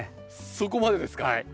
そこまでですか！